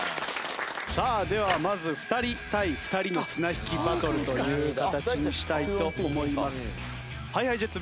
さあではまず２人対２人の綱引きバトルという形にしたいと思います。ＨｉＨｉＪｅｔｓ